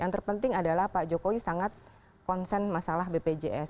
yang terpenting adalah pak jokowi sangat konsen masalah bpjs